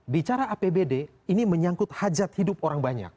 bicara apbd ini menyangkut hajat hidup orang banyak